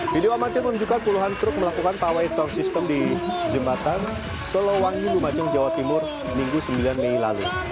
video amatir menunjukkan puluhan truk melakukan pawai sound system di jembatan solowangi lumajang jawa timur minggu sembilan mei lalu